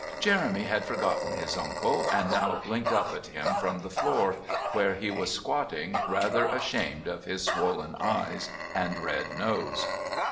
Jeremy had forgotten his uncle, and now blinked up at him from the floor, where he was squatting, rather ashamed of his swollen eyes and red nose.